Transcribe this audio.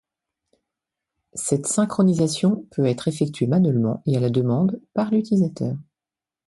Cette synchronisation peut être effectuée manuellement et à la demande par l'utilisateur.